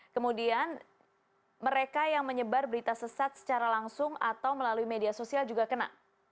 kemudian mereka yang menyebar berita sesat secara langsung atau melalui media sosial juga kena